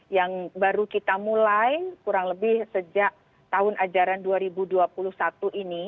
yang baru kita mulai kurang lebih sejak tahun ajaran dua ribu dua puluh satu ini